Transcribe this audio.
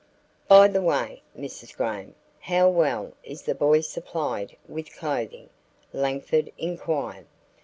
"By the way, Mrs. Graham, how well is the boy supplied with clothing?" Langford inquired.